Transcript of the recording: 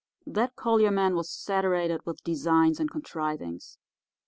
That Collier man was saturated with designs and contrivings.